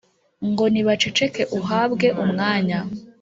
ngo nibaceceka uhabwe umwanya